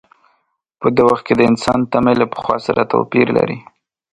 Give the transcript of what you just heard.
په دې وخت کې د انسان تمې له پخوا سره توپیر لري.